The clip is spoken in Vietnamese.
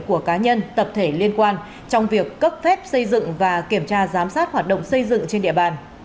của cá nhân tập thể liên quan trong việc cấp phép xây dựng và kiểm tra giám sát hoạt động xây dựng trên địa bàn